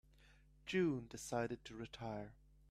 June decided to retire.